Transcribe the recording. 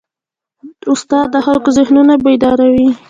استاد د خلکو ذهنونه بیداروي.